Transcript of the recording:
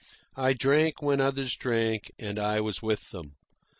I drank when others drank and I was with them.